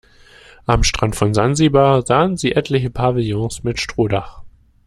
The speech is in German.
Am Strand von Sansibar sahen sie etliche Pavillons mit Strohdach.